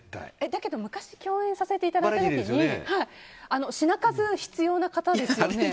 だけど昔共演させていただいたときに品数必要な方ですよね？